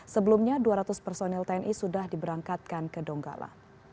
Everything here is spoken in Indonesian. sebelumnya dua ratus personil tni sudah diberangkatkan ke donggala